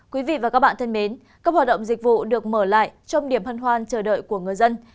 quý vị và các bạn thân mến các hoạt động dịch vụ được mở lại trong điểm hân hoan chờ đợi của người dân